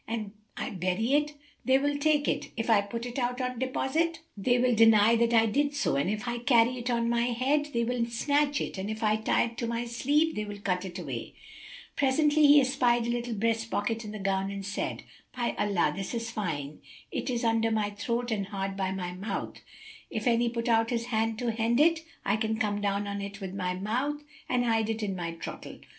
An I bury it, they will take it, and if I put it out on deposit, they will deny that I did so, and if I carry it on my head,[FN#278] they will snatch it, and if I tie it to my sleeve, they will cut it away." Presently, he espied a little breast pocket in the gown and said, "By Allah, this is fine! 'Tis under my throat and hard by my mouth: if any put out his hand to hend it, I can come down on it with my mouth and hide it in my throttle."